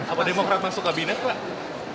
apa demokrat masuk kabinet pak